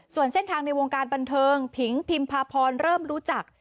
ส่วนเส้นทางในวงการบันเทิงผิงพิมพาพรเริ่มรู้จัก